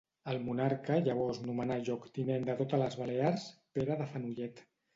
El monarca llavors nomenà lloctinent de totes les Balears Pere de Fenollet.